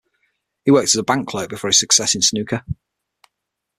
He worked as a bank clerk before his success in snooker.